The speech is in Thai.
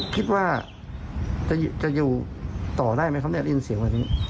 คิดว่าจะอยู่ต่อได้ไหมครับเนี่ยได้ยินเสียงวันนี้